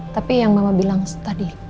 tapi yang mama katakan tadi